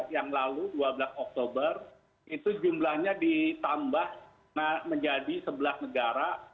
yang lalu dua belas oktober itu jumlahnya ditambah menjadi sebelas negara